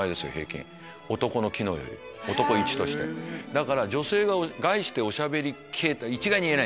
だから女性がおしゃべり系一概に言えないですけど。